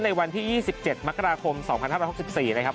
ในวันที่๒๗มกราคม๒๕๖๔นะครับ